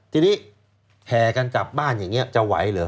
ทีนี้แห่กันกลับบ้านอย่างนี้จะไหวเหรอ